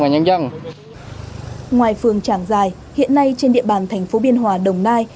ngoài phường tràng giài hiện nay trên địa bàn thành phố biên hòa đồng nai